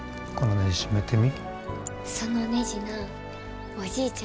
ねじ締めてみ。